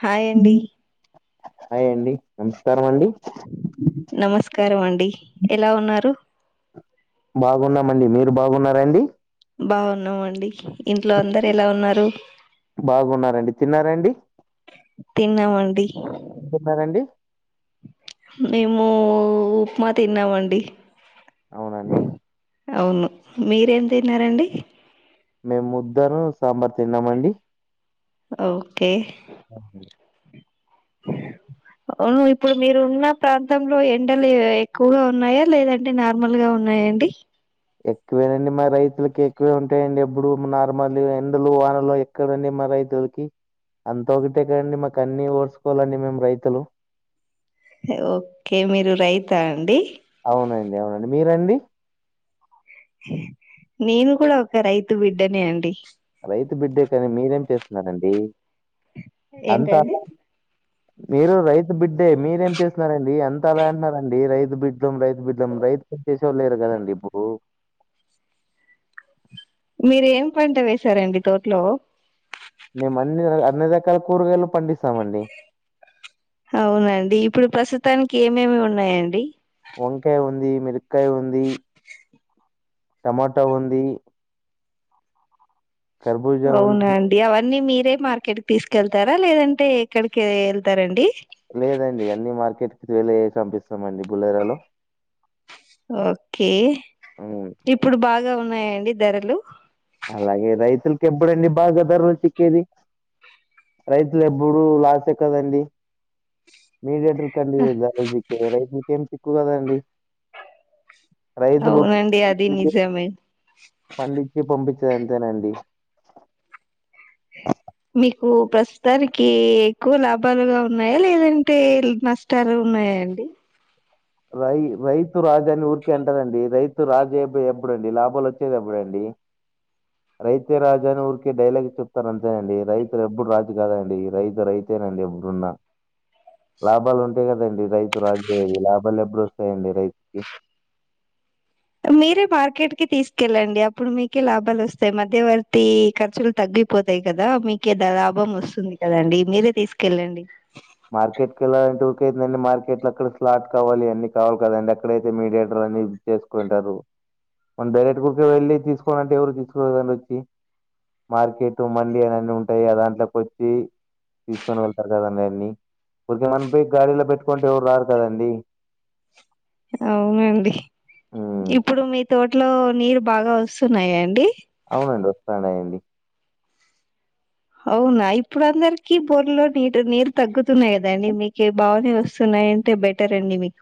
Hi అండి ఉమ్. Hi అండి నమస్కారం అండి నమస్కారం అండి ఎలా ఉన్నారు బాగున్నామండి మీరు బాగున్నార అండి బాగున్నాము అండి ఇంట్లో అందరు ఎలా ఉన్నారు బాగున్నారండి తిన్నారండి తిన్నామండి తిన్నారండి మేము ఉప్మా తిన్నామండి అవునండి అవును మీరేం తిన్నారండి మేము ముద్దను సాంబార్ తిన్నామండి ఒకే అవునండి. నియా హో ఇప్పుడు మీరు ఉన్న ప్రాంతంలో ఎండలు ఎక్కువగా ఉన్నాయా లేదంటే నార్మల్ గా ఉ న్నాయండి ఎక్కువేనండి, మా రైతులకి ఎక్కువే ఉంటాయండి. ఎప్పుడు నార్మల్ ఎండలు వానలు ఎక్కడండి. మ రైతుల్కి అంత ఒకటే కదండి మాకు అన్ని ఓడ్చుకోవాలండి. మేము రైతులు హే ఒకే మీరు రైతా అండి. అవునండి, అవునండి. మీరండి నేను కూడా ఒక రైతు బిడ్డనే అండి. రైతు బిడ్డే కానీ, మీరేం చేస్తున్నారండి. అంతా ఏంటండి. మీరు రైతు బిడ్డే మీరేం చేస్తున్నారండి. అంత అలా అంటున్నారండి. రైతు బిడ్డల్లం, రైతు బిడ్డల్లం రైత్ చేసేవాళ్ళ లేరు కదండి ఇప్పుడు మీరేం పాటలేసారండీ. తోట్లో మేము అన్ని రా అన్ని రకాల కూరగాయలు పండిస్తామండి. అవునండి. ఇప్పుడు ప్రస్తుతానికి ఏమేమి ఉన్నాయండి. వంకాయ ఉంది, మిరుకాయ ఉంది, టమాటా ఉంది. ఖర్బూజా ఉంది. అవునండి అవన్నీ మీర్ రేప్ మార్కెట్ కి తీసుకెళ్తారా లేదంటే ఎక్కడికి ఏళ్తారండి. లేదండి. అన్ని మార్కెట్కి ట్రేలే ఏసి పంపిస్తామండి బులరాలో ఒకే ఇప్పుడు బాగా ఉన్నాయండి ధరలు అలాగే రైతులకి ఎప్పుడండి, బాగా ధరలు చిక్కేది. రైతులు ఎప్పుడు లాసే కదండి. మీదేట్ త్రుకండి. ఇదా ఉదిక్త్ రైతులుకేం తిక్కు కదండి. రైతులు అవునండి అది త్రిబుడే నిజమే పండించి, పంపించే అంతేనండి. మీకు ప్రస్తుతానికి ఎక్కువ లాభాలుగా ఉన్నాయా, లేదంటే నష్టాలు. న్నాయాండి. రై రైతు రాజాని ఊరికే అంటారండి. రైతు రాజు ఎప్పుడే, ఎప్పుడుండి లాభాలు వచ్చేది ఎప్పుడండి. క రైతే రాజు అని ఊరికే డైలాగ్ చెప్తారు అంతే అండి. రైతు ఎప్పుడు రాజు కాదండి. రైతు, రైతే అంతేనండి ఎవరున్నా, లాభాలు ఉంటే కదండి, రైతు రాజేది లాబ్ బల్ ఎప్పుడు వస్తాయండి రైతుకి మీరే మార్కెట్ కి తీసుకెళ్ళండి. అప్పుడు మీకే లాభాలు వస్తాయి. మధ్యవర్తి ఖర్చులు తగ్గి పోతాయి కదా, మీకే దా లాభం వస్తుంది కదండి, మీరే తీసుకెళ్ళండి. ఇంకేందండిమార్కెట్ లో అక్కడ స్లాట్ కావాలి, అన్ని కావాలి కదండి. అక్కడైతే మీడియేటర్ అన్ని చేసుకుంటారు. మన డైరెక్ట్ ఊరికే వెళ్ళి తీసుకోలంటే ఎవరు తీసుకోదని వచ్చి మార్కెట్ మండి అన్నీ ఉంటాయి, ఆ దాంట్లోకి వచ్చి తీసుకొని వెళ్తారు కదండీ. ఆయన్ని ఊరికేమనం పోయి గాడలో పెట్టుకుంటే ఎవరు రారు కదండి. అవునండి, హ్మ్. ఇప్పుడు మీ తోటలో నీరు బాగా వస్తున్నాయాండి. అవునండి వస్తానైన్ అవునా ఇప్పుడు అందరికి బోర్లో నీటర్ నీరు తగ్గుతున్నాయి కదండి. మీకే బావనే వస్తున్నా నాయంటే బెటరండి. మీక్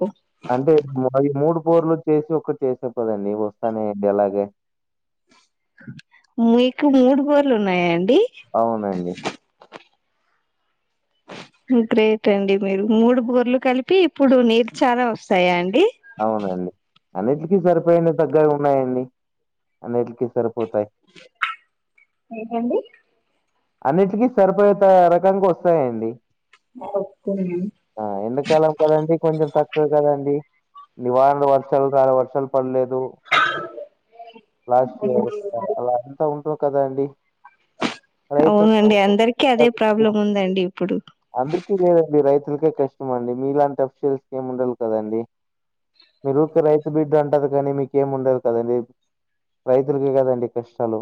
అంటే మైయి మూడు పూర్లో చేసి ఒక్కటి చేసేపోదండి వస్తానేయండి ఎలాగే మీకు మూడు బోర్లు ఉన్నాయన్ అవునండి గ్రేట్ అండి మీరు మూడు బోర్లు కలిపి ఇప్పుడు నేటు చాలా వస్తాయా అండి. అవునండి. అన్నిట్లికి సరిపోయినా తగ్గవి ఉన్నాయండి. అన్నిటికి సరిపో ఏటండీ అన్నిటికీ సరిపోత రకంగా వస్తాయండి ఆ ఎండకాలం కదండి కొంచెం తక్ వె కదండి ఈ వానలు వర్షాలు కాల వర్షాలు పడలేదు లు లాస్ట్ ఇయర్ అలా అంత ఉండవు కదండి రైతు అవునండి. అందరికీ అదే ప్రాబ్లమ్ ఉందండి ఇప్పుడు. అందకె కదండి రైతు అసలకే కష్టం అండి మీలాంటి అఫిషియల్స్ ఏం ఉండవు కదండి మీరు ఒక రైతు బిడ్డ అంటారు కానీ మీకేమి ఉండదు కదండి రైతులకే కదండి కష్టాలు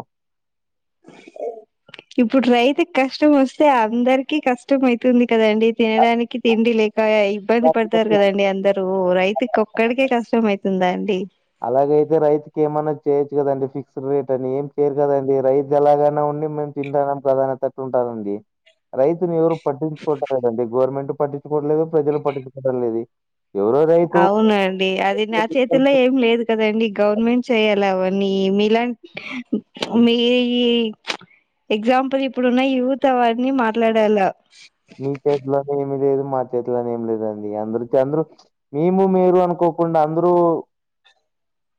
ఇప్పుడు రైతుకి కష్టం వస్తే అందరికి కష్టం ఐతుంది కదండి తినడానికి తిండి లేక్ క ఇబ్బంది అలాగే పడతారు కదండి అందరు రైతుకొక్కడికే కష్టం ఐతుందా అండి అలాగైతే రైతుకి ఏమన్నా చేయొచ్చు కదండి ఫిక్స్డ్ రేట్ అని ఏం చేయరు కదండి రైతు ఎలాగైనా అండీ మేము తింటనం కదా అనే తట్టు ఉంటదండి రైతుని ఎవరు పట్టించుకుంటలేదండి గవర్నమెంట్ పట్టించుకోట్లేదు ప్రజలు పట్టించుకోవడం లేదు ఎవరో రైతు అవునండి అది నా చేతిలో ఏం లేదు కదండి గవర్నమెంట్ చేయాలవని మీలాంట్ మీ ఎగ్జాంపుల్ ఇప్పుడున్న యూత్ అవన్ని మాట్లాడాల మీచేతిల ఏమి లేదు మా చేతిలనే ఏం లేదండి అందరు కి అందరు మేము మీరు అనుకోకుండా అందరూ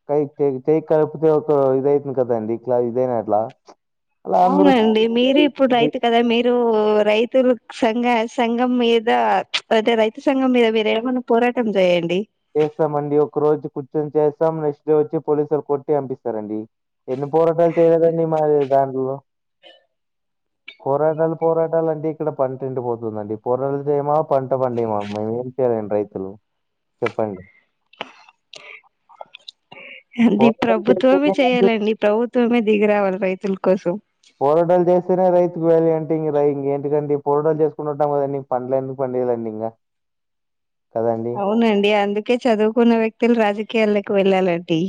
కై టే టేక్ కలిపితే ఒక ఇదైతుంది కదండి ఇట్లా ఇదైనా అట్లా ప్చ్ అవునండి మీరిప్పుడు రైతు కదా మీర్ మీరు రైతులు సంఘ సంఘం మీద ప్చ్ అంటే రైతు సంఘం మీద మీరెమన్న పో రాటం చేయండి ఇగ వచ్చి పోలీసులు కొట్టి చంపేస్తారండి ఎన్ని పోరాటాలు చేయలండి మాది దాంట్లో పోరాటాలు పోరాటాలు అంటిగ్ ఇక్కడ పంటెండిపోతుందండి పొరలు చేయమా పంట పండేమ మేము ఏం చేయలేం రైతులు చెప్పండి కే కా అది పోరాటాలు ప్రభుత్వమే చేస్తేనే అండి చేయాలండి ప్రభుత్వమే దిగిరావాలి రైతులు పోరాటాలు చేస్తేనే రైతుకు వాల్యూ అంటే ఇంగ ఇంకేంటిదండి పోరాటాలు చేసుకుంటుంటాం కదండి పండ్ల ఎందుకు లేదండి ఇంగ అవునండి అందుకే చదువుకున్న వ్యక్తులు రాజకీయల్లోకి వెళ్ళాలండి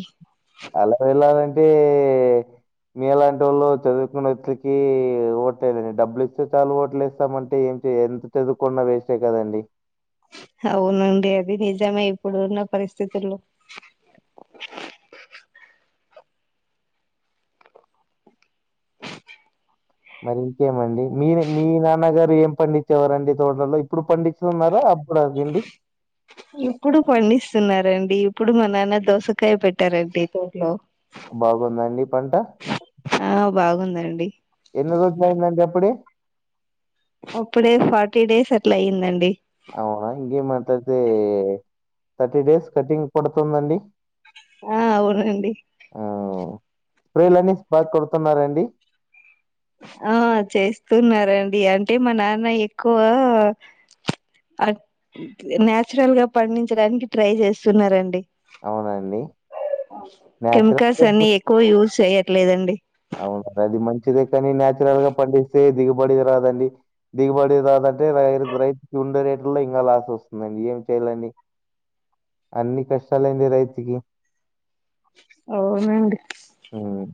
అలా వెళ్ళాలంటే మీ లాంటోళ్ళు చదువుకున్న వ్యక్తికి ఓట్లేయలేదండి డబ్బులు ఇస్తే చాలు ఓట్లు వేస్తామంటే ఇక ఎంత చదువుకున్న వేస్ట్ ఏ కదండి అవునండి అది నిజమే ఇప్పుడు ఉన్న పరిస్థితుల్లో చి కీ మరి ఇంకేమండి మీ మీ నాన్నగారు ఏం పండించేవారండి తోటలలో ఇప్పుడు పండిస్తున్నారా ఇప్పుడ గండి ఇప్పుడు పండిస్తున్నారండి ఇప్పుడు మా నాన్న దోసకాయ పెట్టారండి తోట్లో బాగుందాన్డి పంట ఆ బాగుందండి ఎన్ని రోజులు అయిందండి అప్పుడే అప్పుడే ఫార్టీ డేస్ అట్లా అయిందండి అవునా ఇంకేం అట్లయితే థర్టీ డేస్ కటింగ్ పడుతుందండి ఆ అవునండి ఆ స్ప్రే లేనే బాగా కొడుతున్నారంండి ఆ చేస్తున్నారంండి అంటే మా నాన్న ఎక్కువ ఆ న్యాచురల్ గా పండించడానికి ట్రై చేస్తున్నారంండి అవునా అండి. కెమికల్స్ నేచురల్ అన్ని ఎక్కువ యూజ్ చేయట్లేదండి అవున అది మంచిదే కానీ నాచురల్ గా పండిస్తే దిగుబడి రాదండి దిగుబడిది రాదంటే రై రైతుకి ఉండే రేట్ల్లో ఇంకా లాస్ వస్తుందండి ఏం చెయాలండి అన్ని కష్టాలె అండి రైతుకి అవునండి హ్మ్.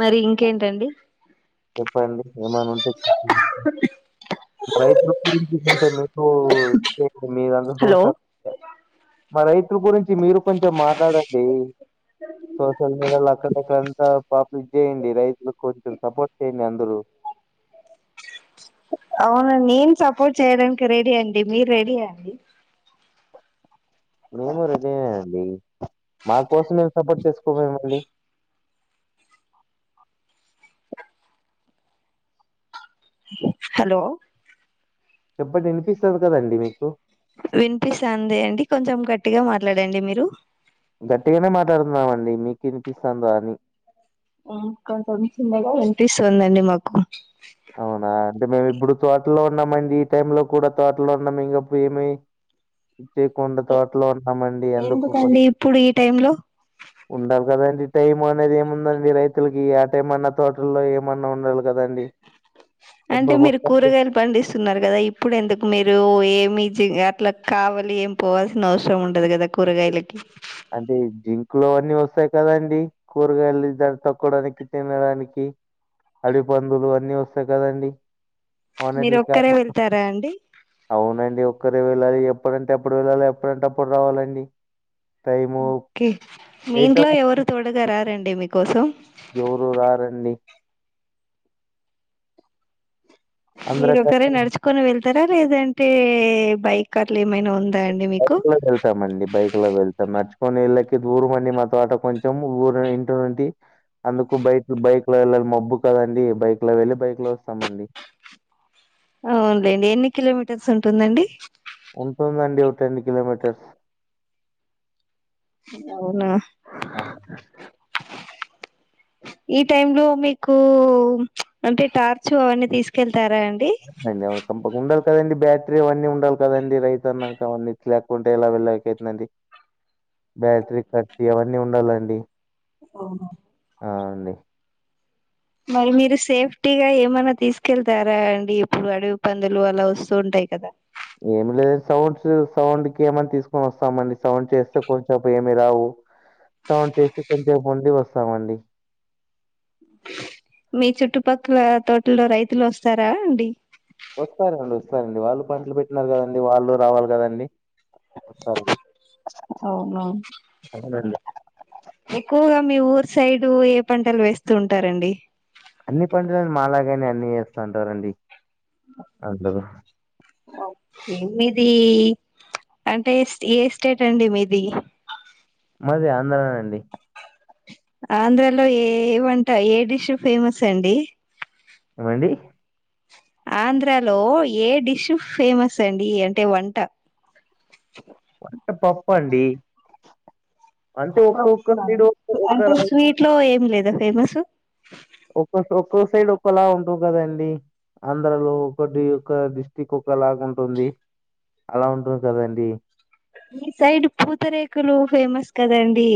మరి ఇంకేంటండి చెప్పండి ఏమైన ఉంటే రైతుల గురించి కంటే మీకు మీరందరూ హలో చూసారు మ రై మీరు కొంచెం మాట్లాడండి సోషల్ మీడియాలో అక్కడక్కడంతా పాపు చేయండి రైతులకు కొంచం సపోర్ట్ చేయండి అందరూ అవును నేన్ సపోర్ట్ చేయడానికి రెడీ అండి మీర్ రెడీ అండి మేము రెడీనే అండి మా కోసం మేము సపోర్ట్ చేసుకోమేమండి హలో చెప్పండి వినిపిస్తది కదండి మీకు వినిపిస్తాంది అండి కొంచెం గట్టిగ మాట్లాడండి మీరు గట్టిగానే మాట్లాడుతున్నామండి మీకు వినిపిస్తాందా అని ఆ కొంచం చిన్నగా వినిపిస్తుందండి మాకు అవునా అంటే మేము ఇప్పుడు తోటలో ఉన్నామండి ఈ టై లో కూడా తోటలో ఉన్నాం ఇంకప్పుడు ఏమి చేయికుండ తోటలో ఉంటామండి అందుకు కొ ఎందుకండి ఇప్పుడు ఈ టైమ్ లో ఉండాలి కదండి టైం అనేది ఏముందండి రైతుల్కి ఆ టైం అన్న తోటల్లో ఏమన్నా ఉండాలి కదండి అంటే మీరు కూరగాయలు పండిస్తున్నారు కదా ఇప్పుడు ఎందుకు మీరు పోయే మిర్చి అట్ల కావలి ఏం పోవాల్సిన అవసరం ఉండదు కదా కూరగాయలకి లోవన్నీ వస్తాయి కదండి కూరగాయలు దాన్ని తక్కడానికి తినడానికి అడివిపందులు అన్నీ వస్తాయి కదండి అవునట్ మీరు ఒక్కరే వెళ్తారా అండి అవునండి ఒక్కరే వెళ్ళాలి ఇగ ఎప్పుడంటే అప్పుడు వెళ్ళాలి ఎప్పుడంటే అప్పుడు రావాలండి టైము ఓకే మీ ఎయిట్ ఇంట్లో ఎవరు తోడుగా రారండి మీకోసం ఎవరు రారండి మీరు ఒకరే అందరికంటే నడుచుకొని వెళ్తార లేదంటే బైక్ అట్ల లేదు బైక్ లో వెళ్తామండి బైక్ లో వెళ్ నడుచుకొని వెళ్ళెకి దూరమండి మా తోట కొంచెం ఊరు ఇంటి నుండి అందుకు బైక్ బైక్ లో వెళ్ళాలి మబ్బు కదండి బైక్ లో వెళ్ళి బైక్ లో వస్తామండి అవునులేండి ఎన్ని కిలోమీటర్స్ ఉంటుందండి ఉంటుందండి ఒక ఎనిమిది కిలోమీటర్స్ అవున ఈ టైమ్ లో మీకు అంటే టార్చ్ అవన్నీ తీసుకెళ్ అయ్యో తప్ప కుండా కదండి బ్యాట్రీ అవన్నీ ఉండాలి కదండి రైతన్నాక అన్నీ ఇట్ లేకుంటే ఎలా వెళ్ళక అతుందండి బ్యాట్రీ కత్తీ అవన్నీ ఉండాలండి ఓహో ఆ అండి మరి మీరు సేఫ్టీ గా ఏమనా తీసుకెళ్తారా అండి ఇప్పుడు అడవి పందులు అలా వస్తూంటాయి టయి కదా ఏమి లేదు సౌండ్ సౌండ్ కి ఏమని తీసుకొని వస్తామండి సౌండ్ చేస్తే కొంచెం ఏమి రావు సౌండ్ చేసి కొంచెపు ఉండి వస్తామండి మీ చుట్టుపక్కల తోటలో రైతులు వస్తారా అండి వస్తారండి వస్తారండి వాళ్ళు పంటలు పెట్టినారు గదండి వాళ్ళు రావాలి గదండి అవునా అవునండి ఎక్కువగా మీ ఊరు సైడ్ ఏ పంటలు వేస్తూ ఉంటారండి అన్ని పంటలని మాలాగానే అన్ని జేస్తా ఉంటారండి అందరు ఓకే మీది అంటే ఏ స్టేట్ అండి మీది మది ఆంధ్రానండి ఆంధ్రాలో ఏ వంట ఏ డిష్ ఫేమస్ అండి ఏమండి ఆంధ్రాలో ఏ డిష్ ఫేమస్ అండి అంటే వంట వంట పప్ప అండి అంటే ఒక్కొక్క పప్పా సైడ్ ఒక్క ఒక్క అంటే స్వీట్ లో ఏం లేదా ఫేమస్ ఒక్కో ఒక్కో సైడ్ ఒక్కోలా ఉంటావు గదండి ఆంధ్రాలో ఒకటి ఒక్క డిస్టిక్ ఒకలాగా ఉంటుంది అలా ఉంటుంది కదండి మీ సైడ్ పూతరేకులు ఫేమస్ కదండి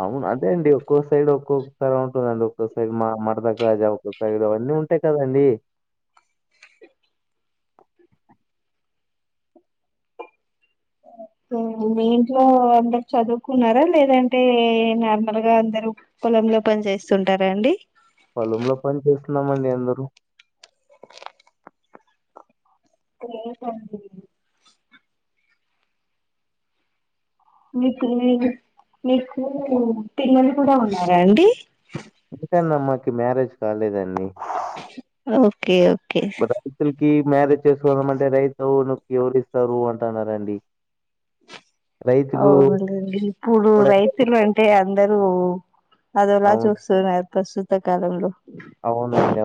అవును అదే అండి ఒక్కో సైడ్ ఒక్కొక్కలా ఉంటుందండి ఒక్కొ సైడ్ మా మడతకాజా ఉంటుంది సైడ్ అవన్నీ ఉంటాయి కదండి [inaudible] ఓ [inaudible] మీ ఇంట్లో అందరు చదువుకున్నారా లేదంటే నార్మల్ గా అందరు పొలం లో పని చేస్తుంటారా అండి పొలంలో పని చేస్తున్నామండి అందరు [inaudible] ఓ [unintelligible] మీకు మీకు మీకు తిన్నలు కూడా ఉన్నారా అండి సెకండ్ అమ్మాకి మ్యారేజ్ కాలేదండి ఓకే ఓకే బ [unintelligible] కి మ్యారేజ్ చేసుకుందాంమంటే రైతు నీకు ఎవరు ఇస్తారు అంటున్నారండి రైతుకు అవునులేండి ఇప్పుడు కూడా రైతులు అంటే అందరూ అదోలా అవును చూస్తున్నరు ప్రస్తుత కాలంలో అవునండి అవును.